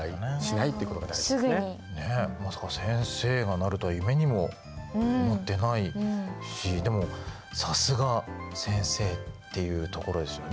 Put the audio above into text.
まさか先生がなるとは夢にも思ってないしでもさすが先生っていうところですよね。